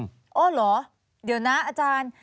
อ๋อเหรอเดี๋ยวนะอาจารย์